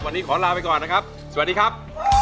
วันนี้ขอลาไปก่อนนะครับสวัสดีครับ